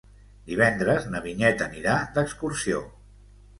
Divendres na Vinyet anirà d'excursió.